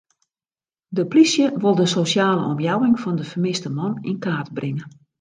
De plysje wol de sosjale omjouwing fan de fermiste man yn kaart bringe.